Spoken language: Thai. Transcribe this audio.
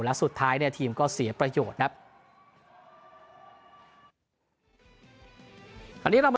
และสุดท้ายเนี่ยทีมก็เสียประโยชน์ครับ